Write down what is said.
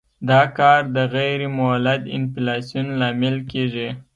دا کار د غیر مولد انفلاسیون لامل کیږي.